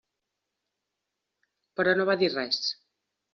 Però no va dir res.